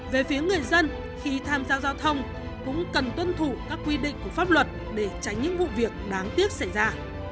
về phía người dân khi tham gia giao thông cũng cần tuân thủ các quy định của pháp luật để tránh những vụ việc đáng tiếc xảy ra